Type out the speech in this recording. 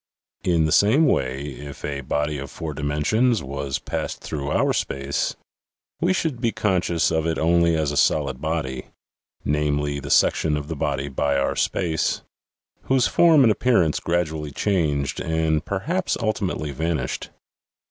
In the same way, if a body of four dimensions was passed through our space, we should be conscious of it only as a solid body (namely, the section of the body by our space) whose form and appearance gradually changed and perhaps ul timately vanished.